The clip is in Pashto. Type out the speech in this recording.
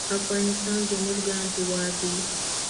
افغانستان زمونږ ګران هېواد دی